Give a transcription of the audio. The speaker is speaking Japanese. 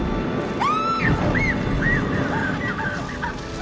え？